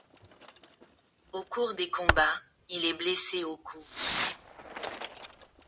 Au cours des combats, Il est blessé au cou.